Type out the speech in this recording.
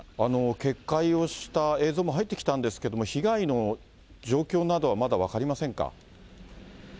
決壊をした映像も入ってきたんですけれども、被害の状況などはまだ分かりませんか。